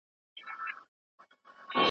موږ باید خپلې عقیدې په اړه فکر وکړو.